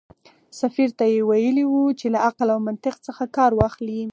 سفیر ته یې ویلي و چې له عقل او منطق څخه کار واخلي.